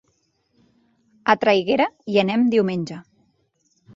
A Traiguera hi anem diumenge.